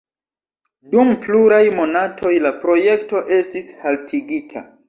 Dum pluraj monatoj la projekto estis haltigita.